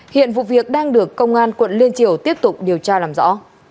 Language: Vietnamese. hiện vụ việc đang được công an quận liên triều tiếp tục điều tra làm rõ